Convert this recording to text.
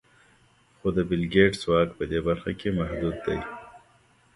خو د بېل ګېټس واک په دې برخه کې محدود دی.